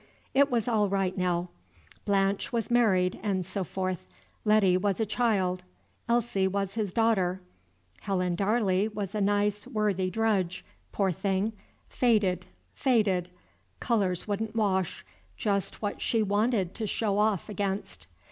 It was all right now; Blanche was married and so forth; Letty was a child; Elsie was his daughter; Helen Darley was a nice, worthy drudge, poor thing! faded, faded, colors wouldn't wash, just what she wanted to show off against.